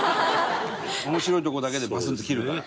面白いとこだけでバツンと切るから。